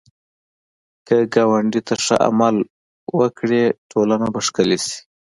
که ګاونډي ته ښه عمل وکړې، ټولنه به ښکلې شي